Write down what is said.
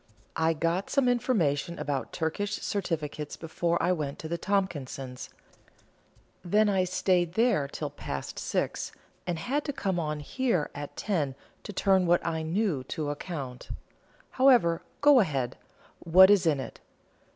I got some information about Turkish certificates before I went to the Tompkinses; then I stayed there till past six, and had to come on here at ten to turn what I knew to account. However, go ahead; what is it in?